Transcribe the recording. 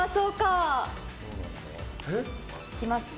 いきます。